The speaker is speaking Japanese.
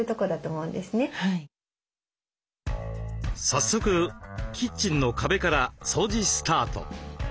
早速キッチンの壁から掃除スタート。